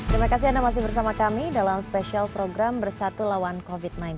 terima kasih anda masih bersama kami dalam spesial program bersatu lawan covid sembilan belas